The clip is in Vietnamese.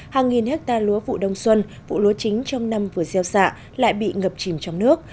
hàng nghìn hectare lúa vụ đông xuân vụ lúa chính trong năm vừa gieo xạ lại bị ngập chìm trong nước